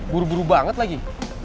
buru buru banget lagi